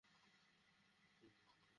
এই ডালাসের ড্রাইভাররা!